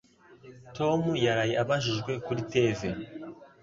Tom yaraye abajijwe kuri TV.